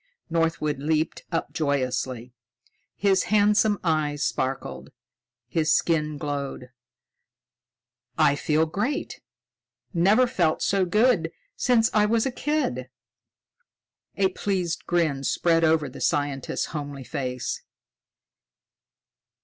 Northwood leaped up joyously. His handsome eyes sparkled, his skin glowed. "I feel great! Never felt so good since I was a kid." A pleased grin spread over the scientist's homely face.